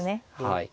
はい。